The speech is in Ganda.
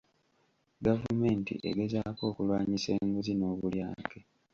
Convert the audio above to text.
Gavumenti egezaako okulwanyisa enguzi n'obulyake..